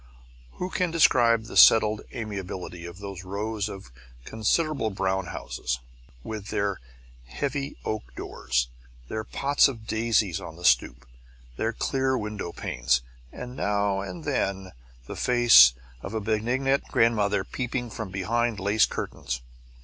Who can describe the settled amiability of those rows of considerable brown houses, with their heavy oak doors, their pots of daisies on the stoop, their clear window panes, and now and then the face of a benignant grandmother peeping from behind lace curtains.